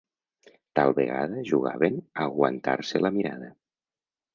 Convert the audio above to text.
Tal vegada jugaven a aguantar-se la mirada.